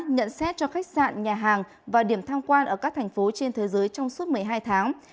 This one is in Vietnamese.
nhận xét cho khách sạn nhà hàng và điểm tham quan ở các thành phố trên thế giới trong suốt một mươi hai tháng